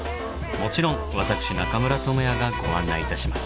もちろん私中村倫也がご案内いたします。